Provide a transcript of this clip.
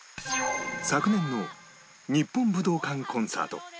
昨年の日本武道館コンサート